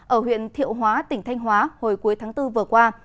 ở huyện thiệu hóa tỉnh thanh hóa hồi cuối tháng bốn vừa qua